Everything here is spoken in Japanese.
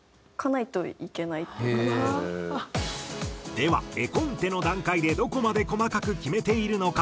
では絵コンテの段階でどこまで細かく決めているのか。